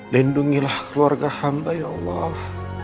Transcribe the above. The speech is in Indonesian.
lindungilah keluarga hamba ya allah